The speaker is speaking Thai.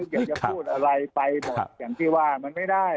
กรูปอยากจะพูดอย่างพี่ว่ามันไม่ได้อ่ะ